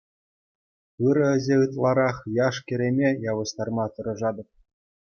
Ырӑ ӗҫе ытларах яш-кӗрӗме явӑҫтарма тӑрӑшатӑп.